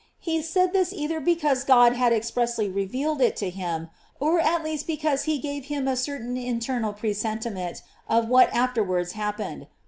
He said this either because Go<3 had expressly revealed it to him, or at least be cause he gave him a certain internal presentiment of what afterwards happened.